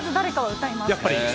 歌います。